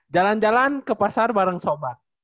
jalan jalan ke pasar bareng sobat